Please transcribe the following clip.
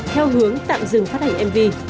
theo hướng tạm dừng phát hành mv